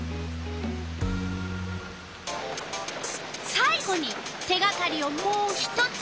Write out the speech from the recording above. さい後に手がかりをもう一つ。